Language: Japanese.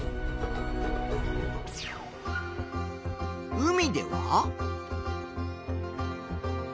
海では。